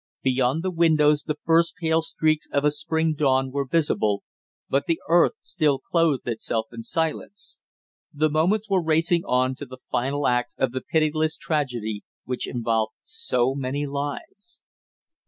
Beyond the windows the first pale streaks of a spring dawn were visible, but the earth still clothed itself in silence. The moments were racing on to the final act of the pitiless tragedy which involved so many lives.